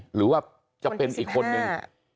หรือว่าจะเป็นอีกคนนึง